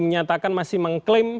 menyatakan masih mengklaim